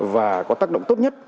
và có tác động tốt nhất